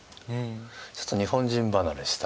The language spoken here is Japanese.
ちょっと日本人離れした。